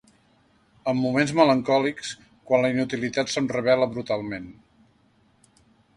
En moments melancòlics, quan la inutilitat se’m revela brutalment.